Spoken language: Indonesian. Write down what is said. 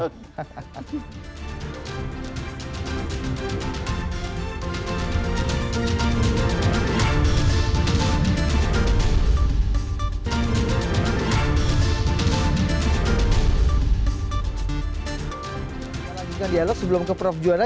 kita lanjutkan dialog sebelum ke prof juara